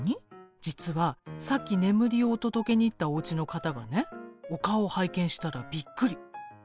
実はさっき眠りをお届けに行ったおうちの方がねお顔を拝見したらびっくりお姉さんにそっくりだったのよ。